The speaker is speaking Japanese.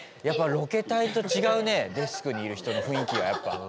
やっぱロケ隊と違うねデスクにいる人の雰囲気がやっぱ。